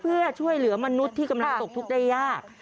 เพื่อช่วยเหลือมนุษย์ที่กำลังตกทุกข์ได้ยาก